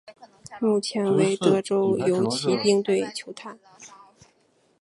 目前为德州游骑兵队球探。